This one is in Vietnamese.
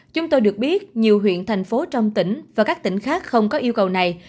chúng tôi được biết nhiều huyện thành phố trong tỉnh và các tỉnh khác không có yêu cầu này